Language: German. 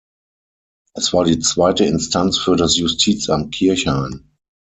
Es war die zweite Instanz für das Justizamt Kirchhain.